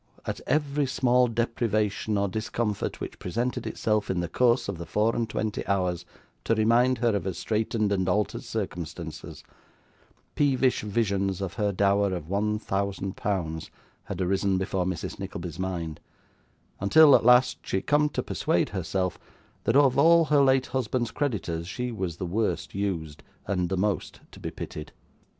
At every small deprivation or discomfort which presented itself in the course of the four and twenty hours to remind her of her straitened and altered circumstances, peevish visions of her dower of one thousand pounds had arisen before Mrs. Nickleby's mind, until, at last, she had come to persuade herself that of all her late husband's creditors she was the worst used and the most to be pitied.